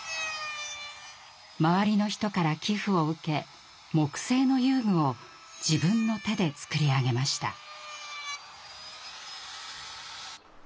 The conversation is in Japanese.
周りの人から寄付を受け木製の遊具を自分の手で作り上げました。